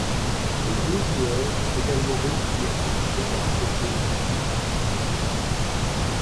Les deux joueurs ont également réussi à conserver leur trophée une fois.